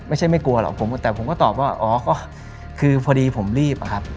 ไม่ใช่ไม่กลัวหรอกแต่ผมก็ตอบว่าอ๋อคือพอดีผมรีบครับ